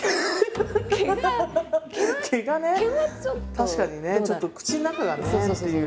確かにねちょっと口の中がねっていう。